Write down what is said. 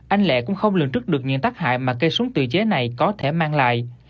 anh lệ cũng không lường trước được những tác hại mà cây súng tự chế này có thể mang lại